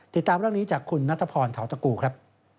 ติดตามรักนี้จากคุณนัทพรท้าวตะกูครับ